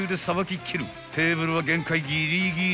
［テーブルは限界ギリギリ］